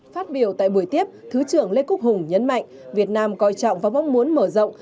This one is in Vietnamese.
phát biểu tại buổi tiếp thứ trưởng lê quốc hùng nhấn mạnh việt nam coi trọng và mong muốn mở rộng